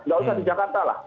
nggak usah di jakarta lah